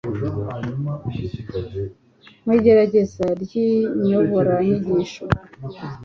mu igerageza ry inyoboranyigisho